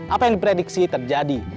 apa yang diprediksi terjadi